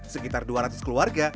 sekitar dua ratus keluarga